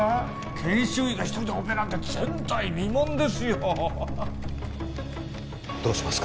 研修医が一人でオペなんて前代未聞ですよどうしますか？